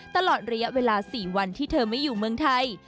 ตลอดระยะเวลา๔วันที่เธอไม่อยู่เมืองไทย